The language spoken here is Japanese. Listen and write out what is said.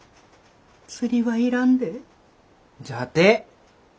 釣りは要らんで」じゃて。